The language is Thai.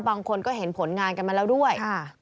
บางคนก็เห็นผลงานกันมาแล้วด้วย